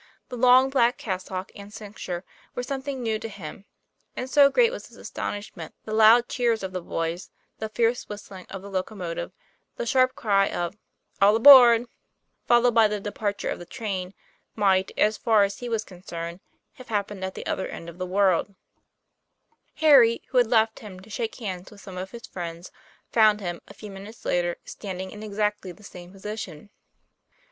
The long black cassock and cincture were something new to him; and so great was his astonishment that the loud cheers of the boys, the fierce whistling of the locomotive, the sharp cry of "All aboard," followed by the departure of the train, might, as far as he was concerned, have happened at the other end of the world, TOM PLAYFAIR. 43 Harry, who had left him to shake hands with some of his friends, found him, a few minutes later, stand ing in exactly the same position.